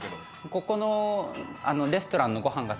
ここの。